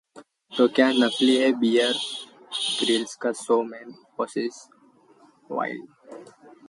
तो क्या नकली है बेयर ग्रिल्स का शो मैन vs वाइल्ड?